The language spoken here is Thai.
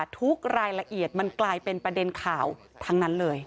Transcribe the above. ทุกรายละเอียดมันกลายเป็นประเด็นข่าวทั้งนั้นเลย